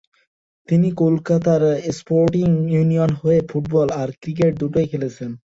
তিনি কলকাতার স্পোর্টিং ইউনিয়নের হয়ে ফুটবল আর ক্রিকেট দুটোই খেলেছেন।